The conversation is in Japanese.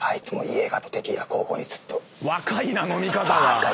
若いな飲み方が！